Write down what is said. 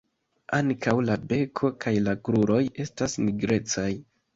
Ankaŭ la beko kaj la kruroj estas nigrecaj.